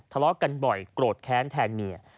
ทะเลาะกันบ่อยโกรธแค้นแทนเมีย